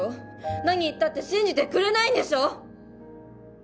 何言ったって信じてくれないんでしょ！？